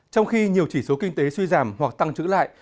trong khi nhiều chỉ số kinh tế suy giảm hoặc tăng trữ lại